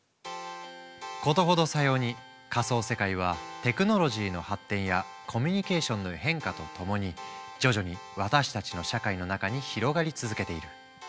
事ほどさように仮想世界はテクノロジーの発展やコミュニケーションの変化とともに徐々に私たちの社会の中に広がり続けている。